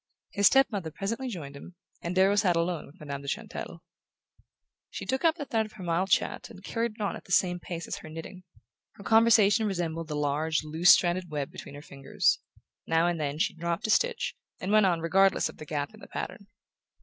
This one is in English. His step mother presently joined him, and Darrow sat alone with Madame de Chantelle. She took up the thread of her mild chat and carried it on at the same pace as her knitting. Her conversation resembled the large loose stranded web between her fingers: now and then she dropped a stitch, and went on regardless of the gap in the pattern.